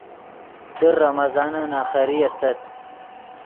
در رمضانن آخری استت